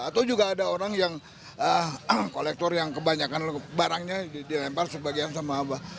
atau juga ada orang yang kolektor yang kebanyakan barangnya dilempar sebagian sama abah